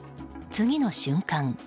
次の瞬間